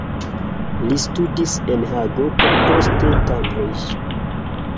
Li studis en Hago kaj poste Cambridge.